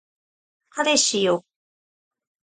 彼氏よ